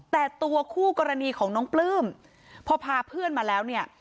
แต่ตัวคู่กรณีของน้องปลื้มพอพาเพื่อนมาแล้วเนี่ย